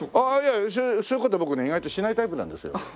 ああいやいやそういう事は僕ね意外としないタイプなんですよ。